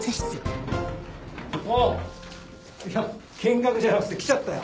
見学じゃなくて来ちゃったよ。